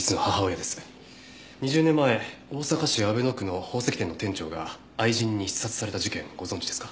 ２０年前大阪市阿倍野区の宝石店の店長が愛人に刺殺された事件ご存じですか？